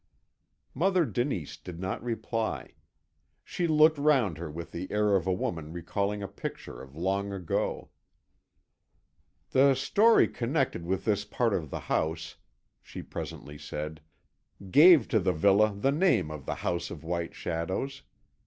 Mother Denise did not reply. She looked round her with the air of a woman recalling a picture of long ago. "The story connected with this part of the house," she presently said, "gave to the villa the name of the House of White Shadows.